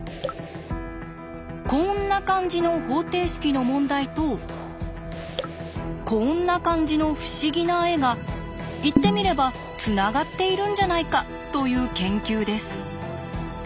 こんな感じの方程式の問題とこんな感じの不思議な絵が言ってみればつながっているんじゃないか？という研究です。